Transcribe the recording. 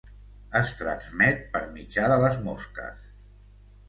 Es transmet per mitjà de les mosques.